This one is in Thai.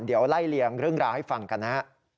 เดี๋ยวไล่เลี่ยงเรื่องราวให้ฟังกันนะฮะ